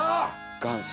元祖。